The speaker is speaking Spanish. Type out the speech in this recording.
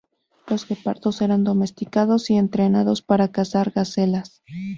Los guepardos eran domesticados y entrenados para cazar gacelas.